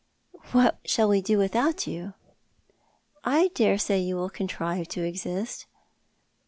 " What shall we do without you ?"" I dare say you will contrive to exist."